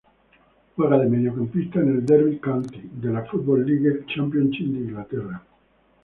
Juega de mediocampista en el Derby County de la Football League Championship de Inglaterra.